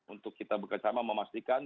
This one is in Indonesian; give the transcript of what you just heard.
untuk kita bekerja sama memastikan